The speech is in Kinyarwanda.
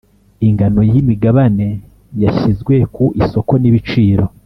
ingano y imigabane yashyizwe ku isoko n ibiciro